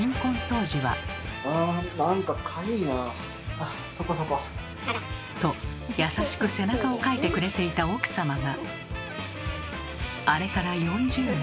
あっそこそこ。と優しく背中をかいてくれていた奥様が。